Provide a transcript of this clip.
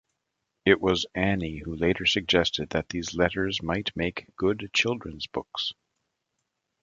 It was Annie who later suggested that these letters might make good children's books.